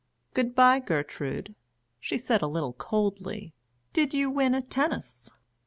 "Good bye, Gertrude," she said a little coldly. "Did you win at tennis?"